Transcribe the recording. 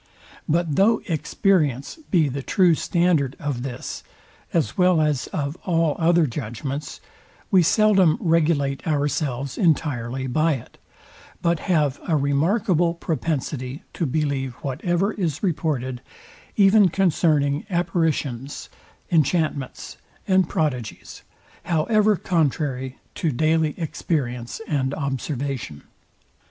But though experience be the true standard of this, as well as of all other judgments, we seldom regulate ourselves entirely by it; but have a remarkable propensity to believe whatever is reported, even concerning apparitions, enchantments, and prodigies, however contrary to daily experience and observation.